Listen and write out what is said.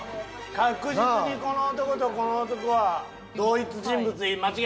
確実にこの男とこの男は同一人物に間違いないな？